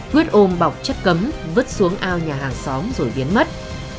quyết ôm bọc chất cấm vứt xuống ao nhà hàng xóm rồi biến mất